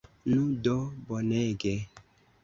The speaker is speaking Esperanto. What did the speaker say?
Nu do, bonege!